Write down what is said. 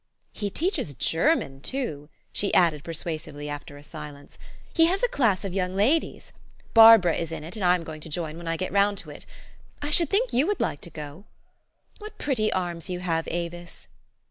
He teaches German too," she added per suasively, after a silence. " He has a class of young ladies. Barbara is in it, and I'm going to join when I get round to it. I should think you would like to go. What pretty arms you have, Avis